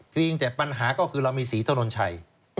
เพียงแต่ปัญหาก็คือเรามีศรีถนนชัย